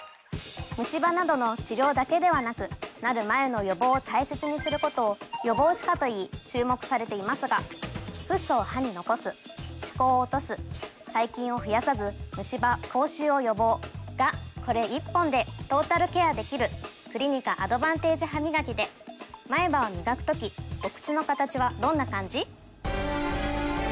ムシ歯などの治療だけではなくなる前の予防を大切にすることを予防歯科と言い注目されていますがフッ素を歯に残す歯垢を落とす細菌を増やさずムシ歯口臭を予防がこれ１本でトータルケアできるクリニカアドバンテージハミガキで前歯をみがく時お口の形はどんな感じ？